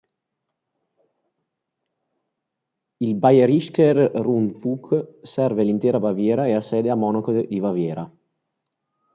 Il Bayerischer Rundfunk serve l'intera Baviera e ha sede a Monaco di Baviera.